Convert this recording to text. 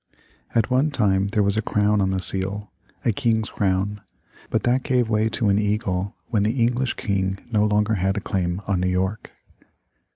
At one time there was a crown on the seal a king's crown but that gave way to an eagle when the English King no longer had a claim on New York.